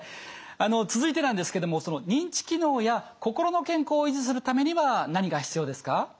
続いてなんですけどもその認知機能や心の健康を維持するためには何が必要ですか？